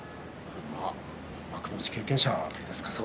幕内経験者ですからね。